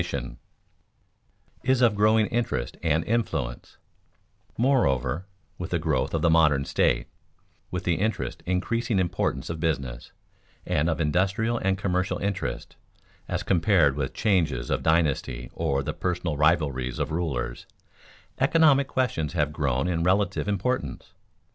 [Sidenote: Is of growing interest and influence] Moreover, with the growth of the modern state, with the interest increasing importance of business, and of industrial and commercial interests, as compared with changes of dynasty or the personal rivalries of rulers, economic questions have grown in relative importance.